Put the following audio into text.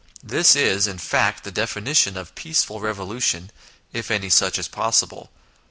This is, in fact, the definition of a peaceful revolution, if any such is possible.